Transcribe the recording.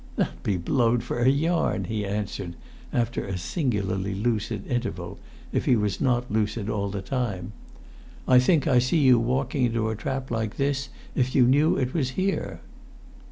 "That be blowed for a yarn!" he answered, after a singularly lucid interval, if he was not lucid all the time. "I think I see you walking into a trap like this if you knew it was here!"